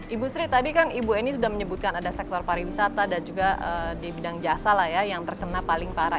ibu sri tadi kan ibu eni sudah menyebutkan ada sektor pariwisata dan juga di bidang jasa lah ya yang terkena paling parah